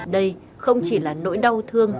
đây không chỉ là nỗi đau thương